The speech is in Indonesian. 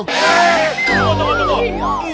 hei tunggu tunggu tunggu